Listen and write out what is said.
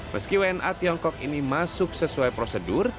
meski wna tiongkok ini masuk sesuai prosedur